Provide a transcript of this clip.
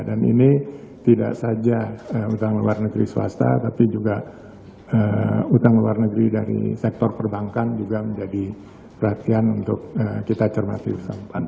dan ini tidak saja utang luar negeri swasta tapi juga utang luar negeri dari sektor perbankan juga menjadi perhatian untuk kita cermati bersama